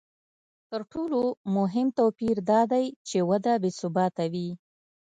تر ټولو مهم توپیر دا دی چې وده بې ثباته وي